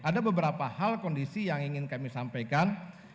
ada beberapa hal kondisi yang ingin kami sampaikan